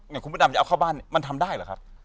อย่างคุณพระดำจะเอาเข้าบ้านมันทำได้เหรอครับ